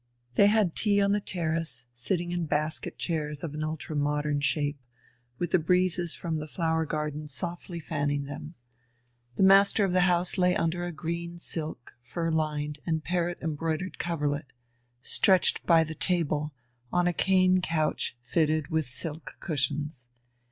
They had tea on the terrace, sitting in basket chairs of an ultra modern shape, with the breezes from the flower garden softly fanning them. The master of the house lay under a green silk, fur lined, and parrot embroidered coverlet, stretched by the table on a cane couch fitted with silk cushions.